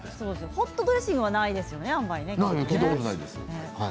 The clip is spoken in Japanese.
ホットドレッシングはあまりないですよね。